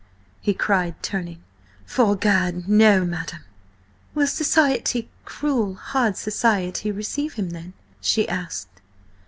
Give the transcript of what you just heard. he cried, turning. "'Fore Gad, no, madam!" "Will society–cruel, hard society–receive him, then?" she asked.